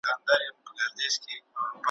په ویاله کي چي اوبه وي یو ځل تللي بیا بهیږي `